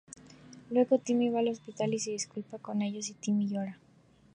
Luego Timmy va al hospital y se disculpa con ellos y Timmy llora.